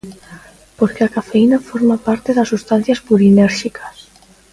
Porque a cafeína forma parte das sustancias purinérxicas.